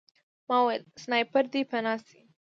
ما وویل سنایپر دی پناه شئ